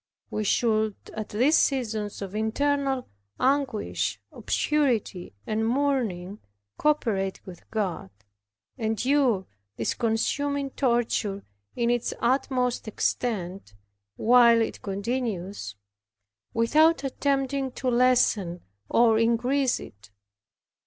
We should at these seasons of internal anguish, obscurity and mourning, co operate with God, endure this consuming torture in its utmost extent (while it continues) without attempting to lessen or increase it.